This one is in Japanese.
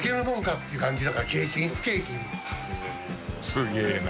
すげぇな。